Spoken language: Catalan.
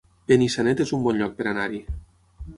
Benissanet es un bon lloc per anar-hi